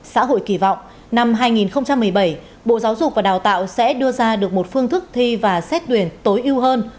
xã hội kỳ vọng năm hai nghìn một mươi bảy bộ giáo dục và đào tạo sẽ đưa ra được một phương thức thi và xét tuyển tối ưu hơn